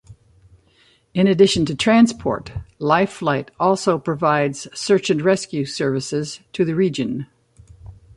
In addition to transport, Life Flight also provides search-and-rescue services to the region.